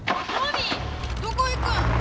どこ行くん！？